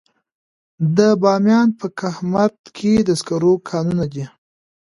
د بامیان په کهمرد کې د سکرو کانونه دي.